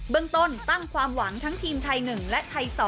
เรื่องต้นตั้งความหวังทั้งทีมไทย๑และไทย๒